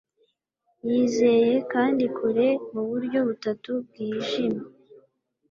yizeye, kandi, kure, muburyo butatu bwijimye